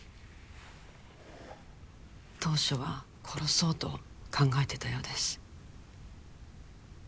当初は殺そうと考えてたようです